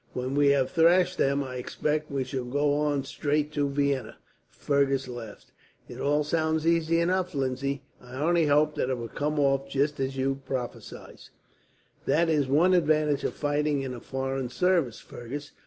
When we have thrashed them, I expect we shall go on straight to Vienna." Fergus laughed. "It all sounds easy enough, Lindsay. I only hope that it will come off just as you prophesy." "That is one advantage of fighting in a foreign service, Fergus.